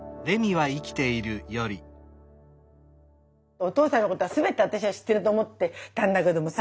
お父さんのことは全て私は知ってると思ってたんだけどもさ